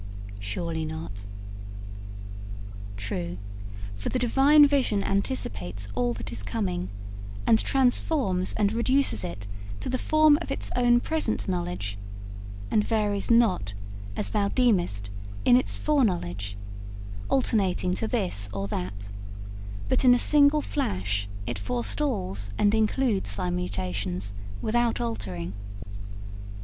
'Surely not.' 'True, for the Divine vision anticipates all that is coming, and transforms and reduces it to the form of its own present knowledge, and varies not, as thou deemest, in its foreknowledge, alternating to this or that, but in a single flash it forestalls and includes thy mutations without altering.